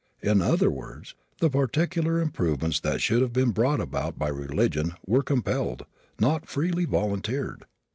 In other words, the particular improvements that should have been brought about by religion were compelled, not freely volunteered.